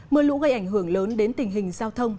mưa lũ gây ảnh hưởng lớn đến tình hình giao thông